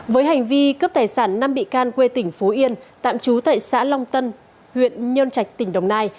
với hành vi cướp tài sản năm bị can quê tỉnh phú yên tạm trú tại xã long tân huyện nhơn trạch tỉnh đồng nai